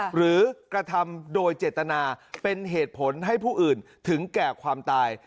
หรือกระทำโดยเจตนาเป็นเหตุผลให้ผู้อื่นถึงแก่ความตาย